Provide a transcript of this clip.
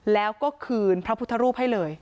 แล้วก็คืนพระพุทธรูปให้เลย